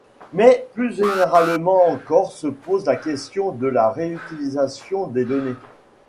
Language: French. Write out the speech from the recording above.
Mais plus généralement encore se pose la question de la réutilisation des données.